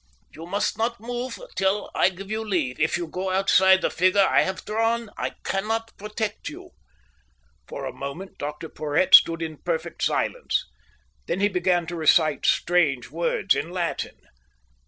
"You must not move till I give you leave. If you go outside the figure I have drawn, I cannot protect you." For a moment Dr Porhoët stood in perfect silence. Then he began to recite strange words in Latin.